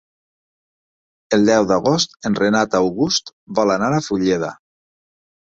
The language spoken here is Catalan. El deu d'agost en Renat August vol anar a Fulleda.